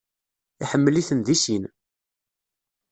Iḥemmel-iten deg sin.